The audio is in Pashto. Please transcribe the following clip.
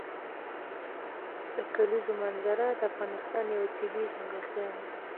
د کلیزو منظره د افغانستان یوه طبیعي ځانګړتیا ده.